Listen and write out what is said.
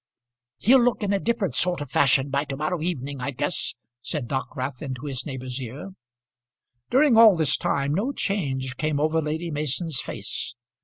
"He'll look in a different sort of fashion by to morrow evening, I guess," said Dockwrath into his neighbour's ear. During all this time no change came over Lady Mason's face.